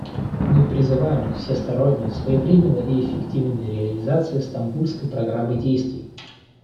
Мы призываем к всесторонней, своевременной и эффективной реализации Стамбульской программы действий.